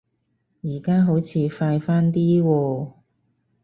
而家好似快返啲喎